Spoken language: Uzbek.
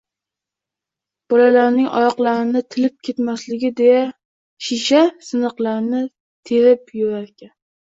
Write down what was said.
Bolalarning oyoqlarini tilib ketmasin deya shisha siniqlarini terib yurarkan